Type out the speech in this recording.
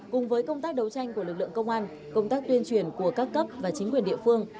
cùng với công tác đấu tranh của lực lượng công an công tác tuyên truyền của các cấp và chính quyền địa phương